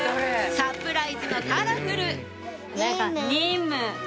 サプライズのカラフル！